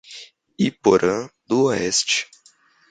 Iporã do Oeste